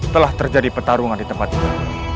telah terjadi pertarungan di tempat ini